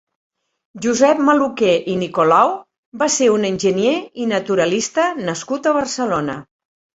Josep Maluquer i Nicolau va ser un enginyer i naturalista nascut a Barcelona.